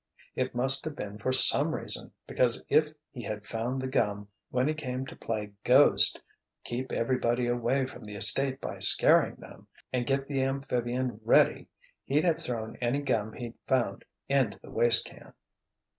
It must have been for some reason, because if he had found the gum when he came to play ghost, keep everybody away from the estate by scaring them, and get the amphibian ready, he'd have throw any gum he found into the waste can."